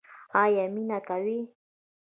ایا مینه کوئ؟